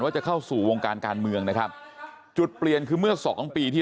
จะเข้าสู่วงการการเมืองนะครับจุดเปลี่ยนคือเมื่อสองปีที่